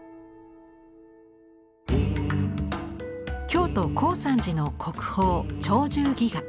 京都・高山寺の国宝「鳥獣戯画」。